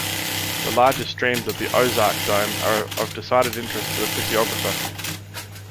The larger streams of the Ozark dome are of decided interest to the physiographer.